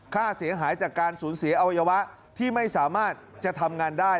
ค่าเสียหายจากการสูญเสียอวัยวะที่ไม่สามารถจะทำงานได้